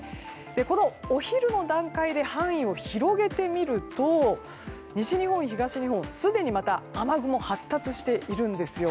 このお昼の段階で範囲を広げてみると西日本、東日本、すでにまた雨雲が発達しているんですよ。